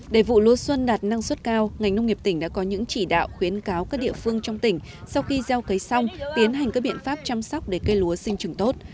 để vụ lúa xuân đạt năng suất cao ngành nông nghiệp tỉnh đã có những chỉ đạo khuyến cáo các địa phương trong tỉnh sau khi gieo cấy xong tiến hành các biện pháp chăm sóc để cây lúa sinh trường tốt